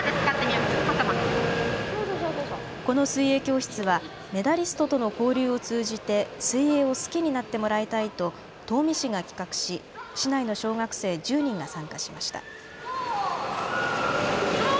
この水泳教室は、メダリストとの交流を通じて水泳を好きになってもらいたいと東御市が企画し、市内の小学生１０人が参加しました。